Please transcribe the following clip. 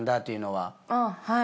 はい。